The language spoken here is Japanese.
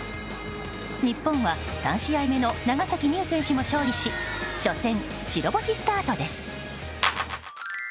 日本は３試合目の長崎美柚選手も勝利し初戦、白星スタートです。